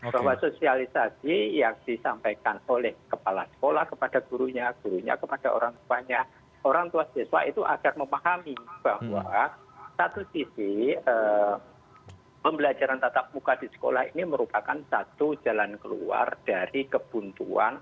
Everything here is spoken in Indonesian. bahwa sosialisasi yang disampaikan oleh kepala sekolah kepada gurunya gurunya kepada orang tuanya orang tua siswa itu agar memahami bahwa satu sisi pembelajaran tatap muka di sekolah ini merupakan satu jalan keluar dari kebuntuan